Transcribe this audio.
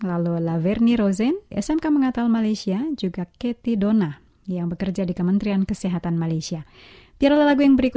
allah baik oh sungguh baik di setiap waktu